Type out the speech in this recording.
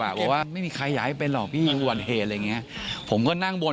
บอกว่าไม่มีใครอยากให้เป็นหรอกพี่มีอุบัติเหตุอะไรอย่างเงี้ยผมก็นั่งบน